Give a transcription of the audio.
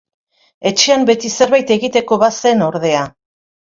Etxean beti zerbait egiteko bazen, ordea!